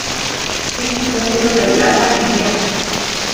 Es un sulfuro de plata y hierro.